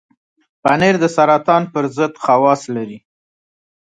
پنېر د سرطان پر ضد خواص لري.